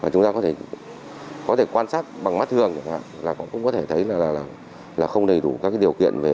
chúng ta có thể quan sát bằng mắt thường cũng có thể thấy là không đầy đủ các điều kiện